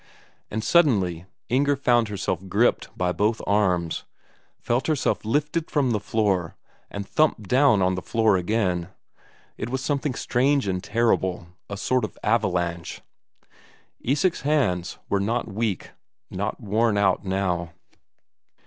And suddenly Inger found herself gripped by both arms, felt herself lifted from the floor, and thumped down on to the floor again. It was something strange and terrible a sort of avalanche. Isak's hands were not weak, not worn out now.